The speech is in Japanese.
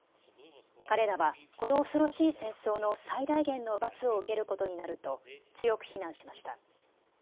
彼らはこの恐ろしい戦争の最大限の罰を受けることになると強く非難しました。